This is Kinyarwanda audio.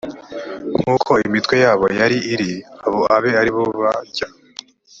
nk uko imitwe yabo yari iri abo abe ari bo bajya